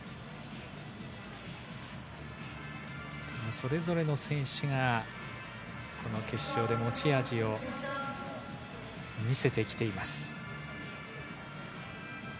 それぞれの選手がこの決勝で持ち味を見せてきています。